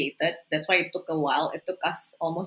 itulah mengambil waktu yang lama